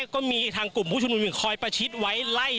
ก็มีทางกุมผู้ชุมนุ่มคอยประชิดไว้